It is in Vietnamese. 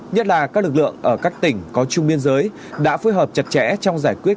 nhất là các lực lượng ở các tỉnh có chung biên giới đã phối hợp chặt chẽ trong giải quyết